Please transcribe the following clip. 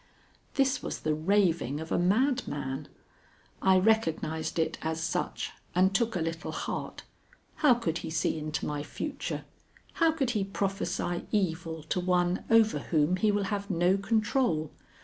This was the raving of a madman. I recognized it as such, and took a little heart. How could he see into my future? How could he prophesy evil to one over whom he will have no control?